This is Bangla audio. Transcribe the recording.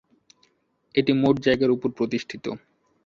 এটি মোট জায়গার ওপর প্রতিষ্ঠিত।